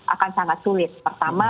akan sangat sulit pertama